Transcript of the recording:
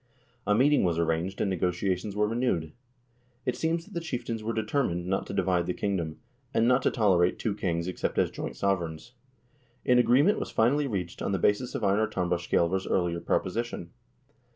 A meeting was arranged, and negotiations were renewed. It seems that the chieftains were determined not to divide the kingdom, and not to tolerate two kings except as joint sovereigns. An agreement was finally reached on the basis of Einar Tambarskjselver's earlier proposition.